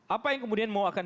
apa yang kemudian mau akan